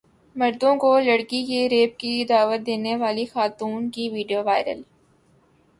مردوں کو لڑکی کے ریپ کی دعوت دینے والی خاتون کی ویڈیو وائرل